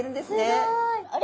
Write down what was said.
すごい！あれ？